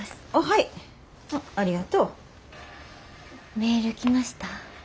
メール来ました？